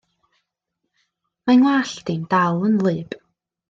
Mae 'ngwallt i'n dal yn wlyb.